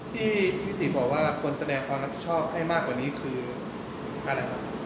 ที่พี่ศรีบอกว่าคนแสดงความรับผิดชอบให้มากกว่านี้คืออะไรครับ